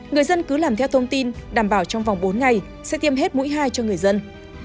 người dân cứ làm theo thông tin đảm bảo trong vòng bốn ngày sẽ tiêm hết mũi hai cho người dân